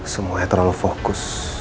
semuanya terlalu fokus